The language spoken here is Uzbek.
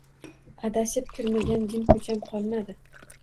Adashib kirmagan jinko`cham qolmadi